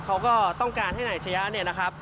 เขาก็ต้องการให้ไหนชะยะ